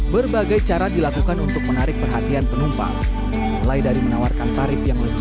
berbagai cara dilakukan untuk menarik perhatian penumpang mulai dari menawarkan tarif yang lebih